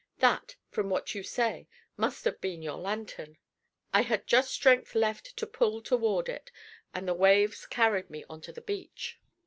That, from what you say, must have been your lantern. I had just strength left to pull toward it, and the waves carried me on to the beach.